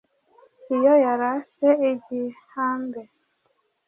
iyo yarase igihambe